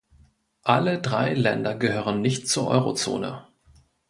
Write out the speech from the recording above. Alle drei Länder gehören nicht zur Eurozone.